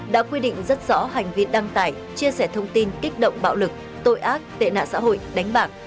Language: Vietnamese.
đã quy định rất rõ hành vi đăng tải chia sẻ thông tin kích động bạo lực tội ác tệ nạn xã hội đánh bạc